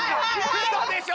うそでしょ！